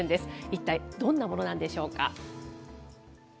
一体どんなものなんでしょうか。